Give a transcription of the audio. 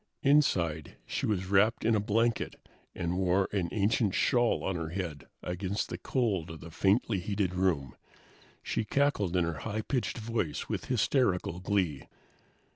Inside, she was wrapped in a blanket and wore an ancient shawl on her head against the cold of the faintly heated room. She cackled in her high pitched voice with hysterical glee.